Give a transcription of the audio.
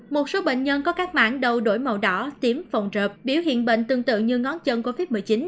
một số bệnh nhân có các mảng đầu đổi màu đỏ tím phồng trợp biểu hiện bệnh tương tự như ngón chân covid một mươi chín